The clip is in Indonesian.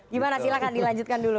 gimana silahkan dilanjutkan dulu